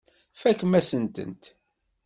Tfakemt-asen-tent.